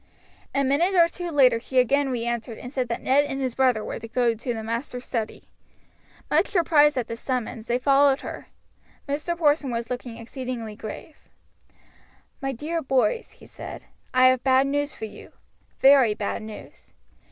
A minute or two later she again re entered and said that Ned and his brother were to go to the master's study. Much surprised at this summons they followed her. Mr. Porson was looking exceedingly grave. "My dear boys," he said, "I have bad news for you. Very bad news.